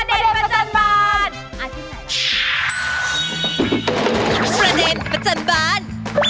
ในช่วงนี้เลยประเด็นประจำบาน